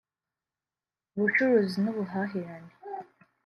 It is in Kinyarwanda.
Ubucuruzi n’ubuhahirane